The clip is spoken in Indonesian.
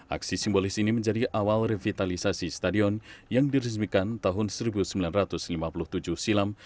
aksi simbolis ini menjadi awal revitalisasi stadion yang dirismikan tahun seribu sembilan ratus lima puluh tujuh silam